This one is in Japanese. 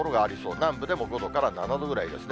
南部でも５度から７度ぐらいですね。